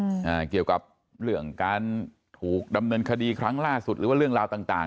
อ่าเกี่ยวกับเรื่องการถูกดำเนินคดีครั้งล่าสุดหรือว่าเรื่องราวต่างต่าง